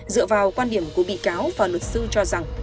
dựa vào quan điểm của bị cáo và luật sư cho rằng